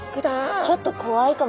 ちょっと怖いかも。